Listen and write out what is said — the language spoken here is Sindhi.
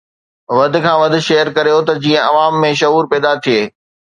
وڌ کان وڌ شيئر ڪريو ته جيئن عوام ۾ شعور پيدا ٿئي